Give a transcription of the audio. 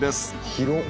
広っ！